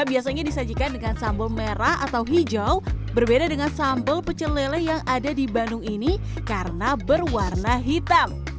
biasanya disajikan dengan sambal merah atau hijau berbeda dengan sambal pecel lele yang ada di bandung ini karena berwarna hitam